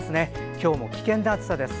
今日も危険な暑さです。